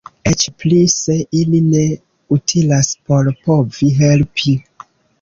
Eĉ pli se ili ne utilas por povi helpi.